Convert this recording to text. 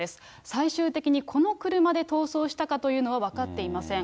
最終的にこの車で逃走したかというのは分かっていません。